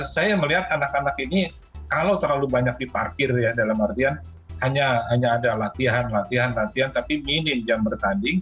saya melihat anak anak ini kalau terlalu banyak diparkir ya dalam artian hanya ada latihan latihan latihan tapi minim jam bertanding